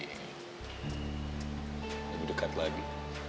lebih dekat lagi